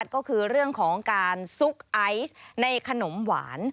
ก็คือเรื่องของการซุกไอซ์ในขนมหวาน